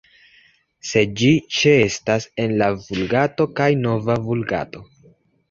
Sed ĝi ĉeestas en la Vulgato kaj Nova Vulgato.